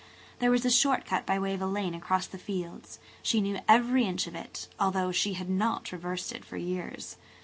There was a short cut by way of a lane across the fields; she knew every inch of it although she had not traversed it for years.